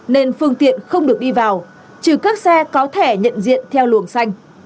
nên phương tiện không được đi vào chứ các xe có thể nhận diện theo luồng xanh